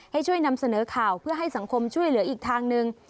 ให้ช่วยนำเสนอข่าวเพื่อให้สังคมช่วยเหลืออีกทางหนึ่ง